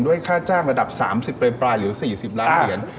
ด้วยค่าจ้างระดับ๓๐ปลายหรือ๔๐ล้านเงิน